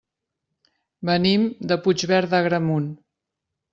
Venim de Puigverd d'Agramunt.